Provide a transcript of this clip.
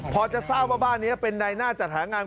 พอจะทราบว่าบ้านนี้เป็นในหน้าจัดหางาน